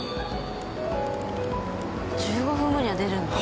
１５分後には出るんだ。